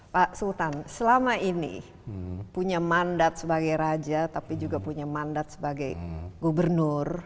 pak sultan selama ini punya mandat sebagai raja tapi juga punya mandat sebagai gubernur